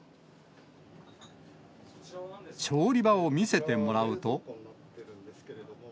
調理場を見せてもらうと。